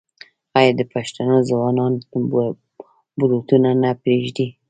آیا د پښتنو ځوانان بروتونه نه پریږدي؟